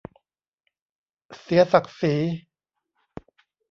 เสียศักดิ์ศรี